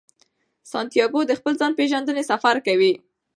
سانتیاګو د خپل ځان پیژندنې سفر کوي.